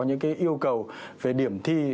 những yêu cầu về điểm thi